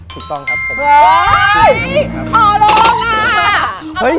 ใจต้องการอีกแล้วอะ